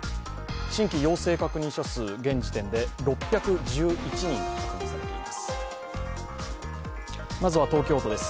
新規陽性確認者数、現時点で６１１人が確認されています。